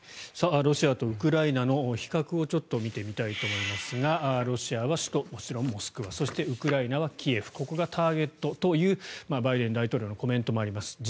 ロシアとウクライナの比較を見てみたいと思いますがロシアは首都、もちろんモスクワウクライナはキエフここがターゲットというバイデン大統領のコメントもあります。